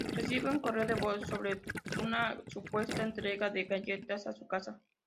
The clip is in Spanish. Recibe un correo de voz sobre una supuesta entrega de galletas a su casa.